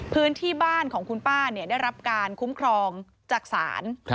พื้นที่บ้านของคุณป้าได้รับการคุ้มครองจากศาล